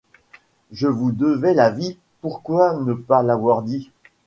Je vous devais la vie, pourquoi ne pas l’avoir dit ?